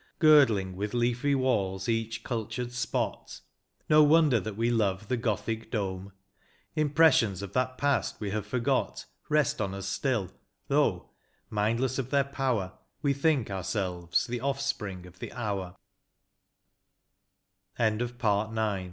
Girdling with leafy walls each cultured spot ; No wonder that we love the gothic dome, Impressions of that past we have forgot Best on us still, though, mindless of their power, We think ourselves the offspr